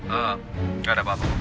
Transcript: eee gak ada apa apa pak